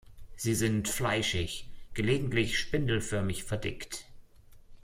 Sie sind fleischig, gelegentlich spindelförmig verdickt.